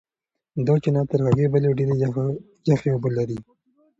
دا چینه تر هغې بلې ډېرې یخې اوبه لري.